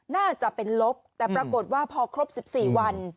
น่าจะเป็นลบแต่ปรากฏว่าพอครบ๑๔วัน